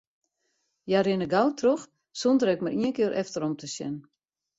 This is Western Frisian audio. Hja rinne gau troch, sonder ek mar ien kear efterom te sjen.